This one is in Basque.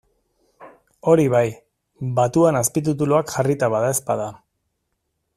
Hori bai, batuan azpitituluak jarrita badaezpada.